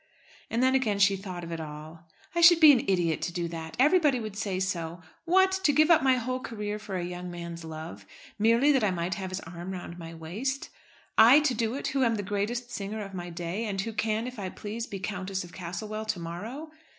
And then again she thought of it all. "I should be an idiot to do that. Everybody would say so. What! to give up my whole career for a young man's love, merely that I might have his arm round my waist? I to do it, who am the greatest singer of my day, and who can, if I please, be Countess of Castlewell to morrow!